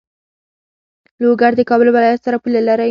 لوګر د کابل ولایت سره پوله لری.